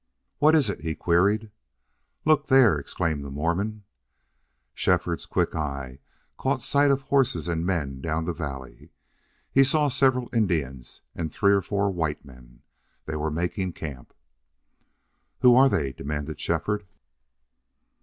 "What is it?" he queried. "Look there!" exclaimed the Mormon. Shefford's quick eye caught sight of horses and men down the valley. He saw several Indians and three or four white men. They were making camp. "Who are they?" demanded Shefford.